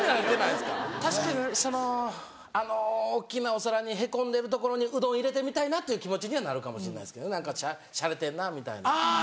確かにそのあの大っきなお皿にへこんでる所にうどん入れてみたいなっていう気持ちにはなるかもしんないですけど何かしゃれてんなみたいな。